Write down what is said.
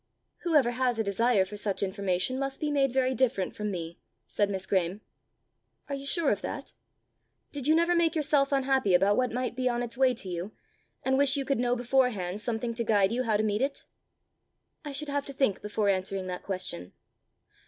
"Whoever has a desire for such information must be made very different from me!" said Miss Graeme. "Are you sure of that? Did you never make yourself unhappy about what might be on its way to you, and wish you could know beforehand something to guide you how to meet it?" "I should have to think before answering that question."